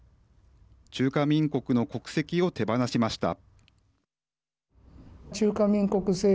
中華民国の国籍を手放しました。